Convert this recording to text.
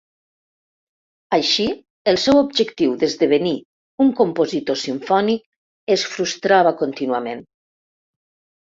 Així, el seu objectiu d'esdevenir un compositor simfònic es frustrava contínuament.